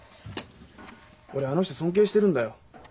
俺あの人尊敬してるんだよ。